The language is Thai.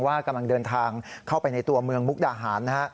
กำลังเดินทางเข้าไปในตัวเมืองมุกดาหารนะฮะ